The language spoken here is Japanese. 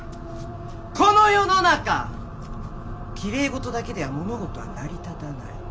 この世の中きれい事だけでは物事は成り立たない。